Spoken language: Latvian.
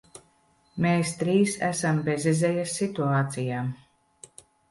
Mēs trīs esam bezizejas situācijā.